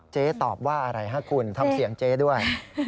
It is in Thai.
ตอบว่าอะไรฮะคุณทำเสียงเจ๊ด้วย